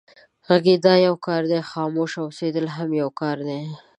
غږېدا يو کار دی، خاموشه اوسېدل هم يو کار دی.